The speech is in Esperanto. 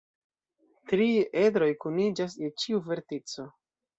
Tri edroj kuniĝas je ĉiu vertico.